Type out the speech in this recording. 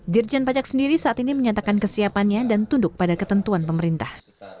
dirjen pajak sendiri saat ini menyatakan kesiapannya dan tunduk pada ketentuan pemerintah